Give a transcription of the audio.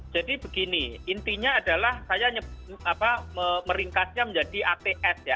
jadi begini intinya adalah saya meringkatnya menjadi ats ya